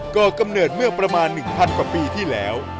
ก็กำเนิดเมื่อประมาณ๑๐๐กว่าปีที่แล้ว